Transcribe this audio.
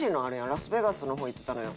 ラスベガスの方行ってたのよ。